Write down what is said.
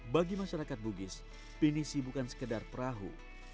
bagi masyarakat bugis pinisi bukan sekedar perahu